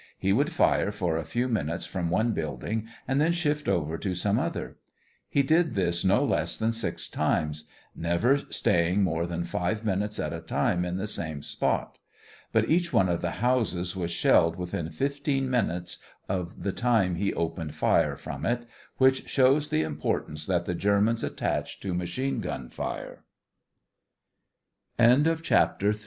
He would fire for a few minutes from one building and then shift over to some other. He did this no less than six times, never staying more than five minutes at a time in the same spot. But each one of the houses was shelled within fifteen minutes of the time he opened fire from it, which shows the impor